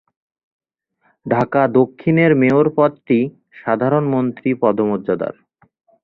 ঢাকা দক্ষিণের মেয়র পদটি সাধারণত মন্ত্রী পদমর্যাদার।